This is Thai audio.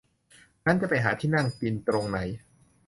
งั้นจะไปหาที่นั่งกินตรงไหน